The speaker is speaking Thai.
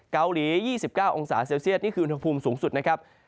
เกาหลี๒๙องศาเซลเซียตนี่คืออุณหภูมิสูงสุดนะครับ